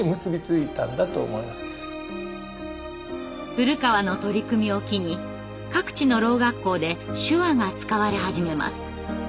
古河の取り組みを機に各地の聾学校で手話が使われ始めます。